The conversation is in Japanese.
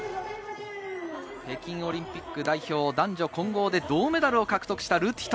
北京オリンピック代表・男女混合で銅メダルを獲得したルティト。